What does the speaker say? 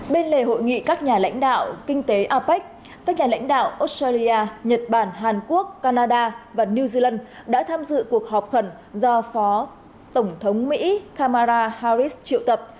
bên lề hội nghị các nhà lãnh đạo kinh tế apec các nhà lãnh đạo australia nhật bản hàn quốc canada và new zealand đã tham dự cuộc họp khẩn do phó tổng thống mỹ kamara harris triệu tập